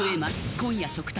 今夜食卓で。